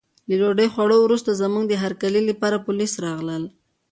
له ډوډۍ خوړو وروسته زموږ د هرکلي لپاره پولیس راغلل.